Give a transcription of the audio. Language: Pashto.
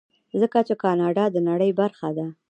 ځکه چې کاناډا د نړۍ برخه ده.